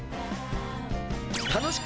楽しく！